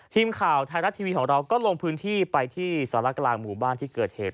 ทีมข่าวไทยรัฐทีวีของเราก็ลงพื้นที่ไปที่สารกลางหมู่บ้านที่เกิดเหตุ